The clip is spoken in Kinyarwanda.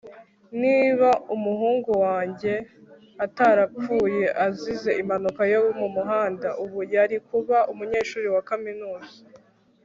Niba umuhungu wanjye atarapfuye azize impanuka yo mumuhanda ubu yari kuba umunyeshuri wa kaminuza